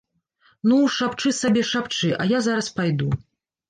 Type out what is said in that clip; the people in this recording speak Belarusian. Ну, шапчы сабе, шапчы, а я зараз пайду.